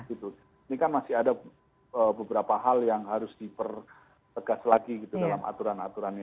ini kan masih ada beberapa hal yang harus diperkegas lagi dalam aturan aturan